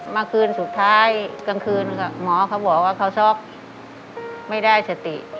เมื่อคืนสุดท้ายกลางคืนหมอเขาบอกว่าเขาช็อกไม่ได้สติ